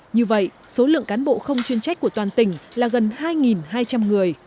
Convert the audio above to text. như vậy số lượng cán bộ không chuyên trách của toàn tỉnh là gần hai hai trăm linh người